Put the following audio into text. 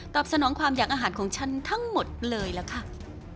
สนองความอยากอาหารของฉันทั้งหมดเลยล่ะค่ะ